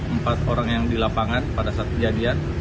empat orang yang di lapangan pada saat kejadian